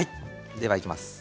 ではいきます。